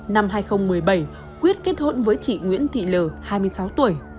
năm hai nghìn một mươi bảy quyết kết hôn với chị nguyễn thị l hai mươi sáu tuổi